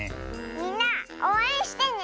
みんなおうえんしてね！